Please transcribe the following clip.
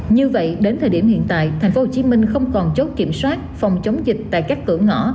như vậy đến thời điểm hiện tại tp hcm không còn chốt kiểm soát phòng chống dịch tại các cửa ngõ